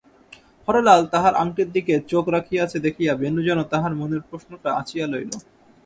হরলাল তাহার আংটির দিকে চোখ রাখিয়াছে দেখিয়া বেণু যেন তাহার মনের প্রশ্নটা আঁচিয়া লইল।